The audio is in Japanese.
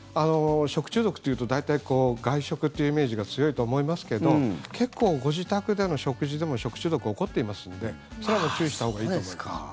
食中毒というと大体、外食というイメージが強いと思いますけど結構ご自宅での食事でも食中毒が起こっていますのでそれは注意したほうがいいと思います。